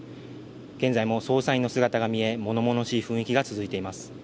現在も捜査員の姿がみえ、ものものしい雰囲気が続いています。